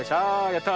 やった！